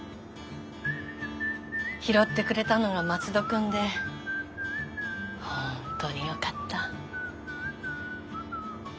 拾ってくれたのが松戸君で本当によかった。